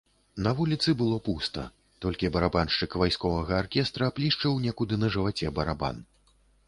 На вуліцы было пуста, толькі барабаншчык вайсковага аркестра плішчыў некуды на жываце барабан.